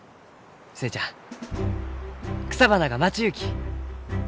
寿恵ちゃん草花が待ちゆうき！